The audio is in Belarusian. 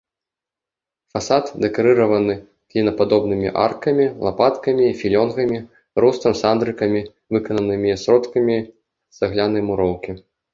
Фасад дэкарыраваны клінападобнымі аркамі, лапаткамі, філёнгамі, рустам, сандрыкамі, выкананымі сродкамі цаглянай муроўкі.